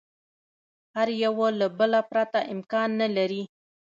هر یوه له بله پرته امکان نه لري.